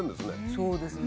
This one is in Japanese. そうですね。